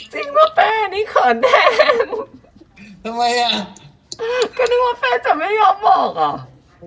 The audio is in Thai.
จริงป่ะแม่นี่เขินแทนทำไมอ่ะก็นึกว่าแฟนจะไม่ยอมบอกอ่ะ